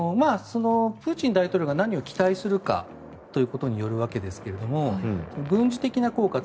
プーチン大統領が何を期待するかということによるわけですが軍事的な効果